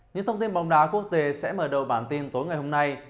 những thông tin bóng đá quốc tế sẽ mở đầu bản tin tối ngày hôm nay